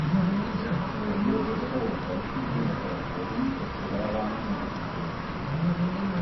Ten bude představovat další důležité fórum pro předávání našich sdělení.